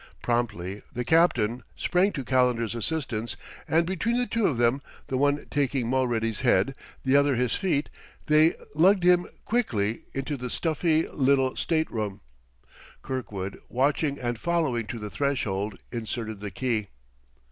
Promptly the captain, sprang to Calendar's assistance; and between the two of them, the one taking Mulready's head, the other his feet, they lugged him quickly into the stuffy little state room. Kirkwood, watching and following to the threshold, inserted the key.